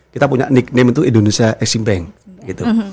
kita punya nickname itu indonesia exim bank